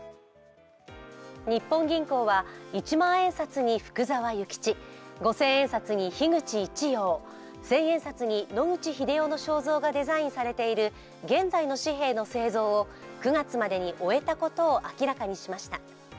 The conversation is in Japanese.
日本銀行は一万円札に福沢諭吉五千円札に樋口一葉、千円札に野口英世の肖像画デザインされている現在の紙幣の製造を９月までに終えたことを明らかにしました。